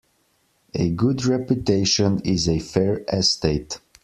A good reputation is a fair estate.